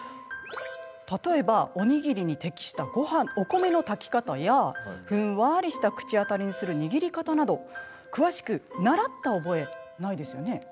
例えばおにぎりに適したお米の炊き方やふんわりした口当たりにする握り方など詳しく習った覚えないですよね。